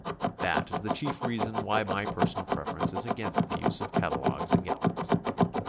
That is the chief reason why my personal preference is against the use of catalogues in galleries.